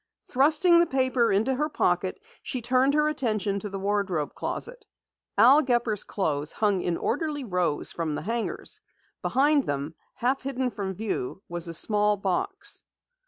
Thrusting the paper into her pocket, she turned her attention to the wardrobe closet. Al Gepper's clothes hung in orderly rows from the hangers. Behind them, half hidden from view, was a small box.